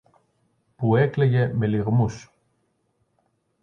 που έκλαιγε με λυγμούς.